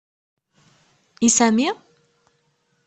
I Sami?